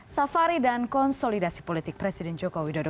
safari dan konsolidasi politik presiden joko widodo